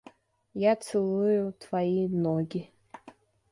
Я целую твои ноги.